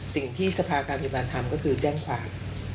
สิ่งที่สภาการพยาบาลทำก็คือแจ้งความ